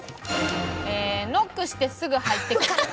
ノックしてすぐ入ってくる人。